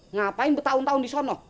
ngapain bertahun tahun disono